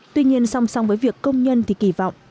tuy nhiên song song với việc công nhân thì kỳ vọng